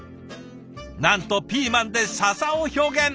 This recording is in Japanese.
なんとピーマンで笹を表現。